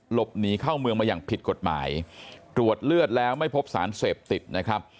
หลบหนีเข้าเมืองมาอย่างผิดกฎหมายตรวจเลือดแล้วไม่พบสารเสพติดนะครับ